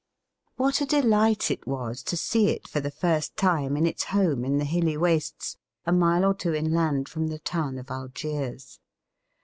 What a delight it was to see it for the first time in its home in the hilly wastes, a mile or two inland from the town of Algiers!